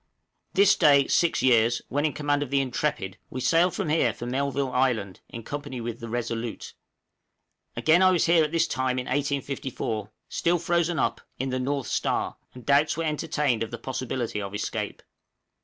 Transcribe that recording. This day six years, when in command of the 'Intrepid,' we sailed from here for Melville Island in company with the 'Resolute.' Again I was here at this time in 1854, still frozen up, in the 'North Star,' and doubts were entertained of the possibility of escape.